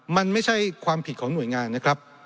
มันไม่ใช่ความผิดของหน่วยงานนะครับ